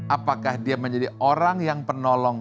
apakah dia menjadi orang yang penolong